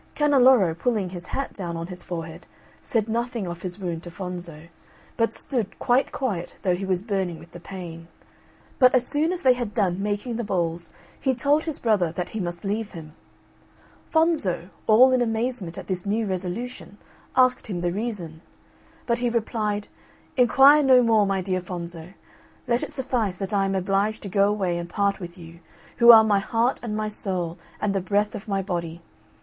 Canneloro, pulling his hat down on his forehead, said nothing of his wound to Fonzo, but stood quite quiet though he was burning with the pain. But as soon as they had done making the balls, he told his brother that he must leave him. Fonzo, all in amazement at this new resolution, asked him the reason: but he replied, "Enquire no more, my dear Fonzo, let it suffice that I am obliged to go away and part with you, who are my heart and my soul and the breath of my body.